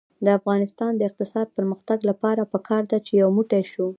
د افغانستان د اقتصادي پرمختګ لپاره پکار ده چې یو موټی شو.